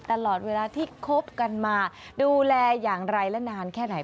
ตลอดเวลาที่คบกันมาดูแลอย่างไรและนานแค่ไหน